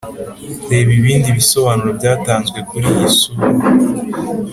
reba ibindi bisobanuro byatanzwe kuri iyi sura